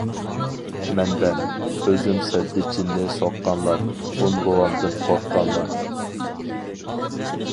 مەنبە:ئۆزۈم سەددىچىننى سوققانلار، ھون بوۋامدىن قورققانلار!